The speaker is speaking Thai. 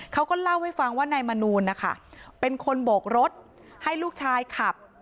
เขาก็เล่าให้ฟังว่านายมนูลนะคะเป็นคนโบกรถให้ลูกชายขับ